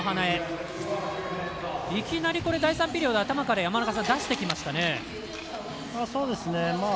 いきなり第３ピリオドの頭から出してきましたね。